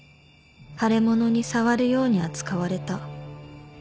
「腫れ物に触るように扱われた」